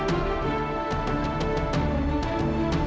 tak ada apa